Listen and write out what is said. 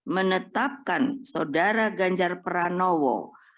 menetapkan saudara ganjar pranowo